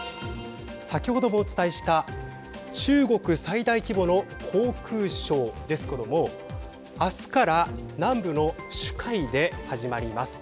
先ほどもお伝えした中国最大規模の航空ショーですけども明日から南部の珠海で始まります。